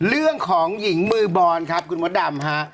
เรื่องของหญิงมือบอลครับคุณมดดำฮะ